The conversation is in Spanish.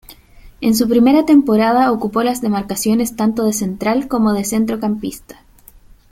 En su primera temporada ocupó las demarcaciones tanto de central como de centrocampista.